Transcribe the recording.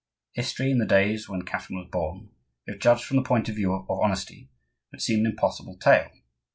History, in the days when Catherine was born, if judged from the point of view of honesty, would seem an impossible tale.